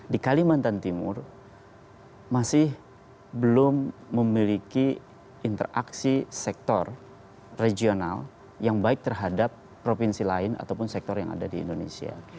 di kalimantan timur masih belum memiliki interaksi sektor regional yang baik terhadap provinsi lain ataupun sektor yang ada di indonesia